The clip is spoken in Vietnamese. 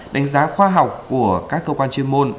đánh giá khoa học của các cơ quan chuyên môn